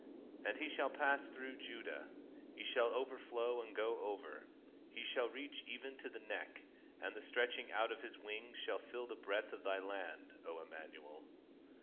18:8 And he shall pass through Judah; he shall overflow and go over, he shall reach even to the neck; and the stretching out of his wings shall fill the breadth of thy land, O Immanuel.